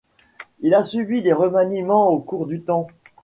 Elle a subi des remaniements au cours du temps.